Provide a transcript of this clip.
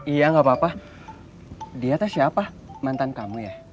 iya gak apa apa dia tuh siapa mantan kamu ya